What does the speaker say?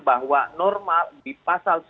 bahwa normal di pasal sebelas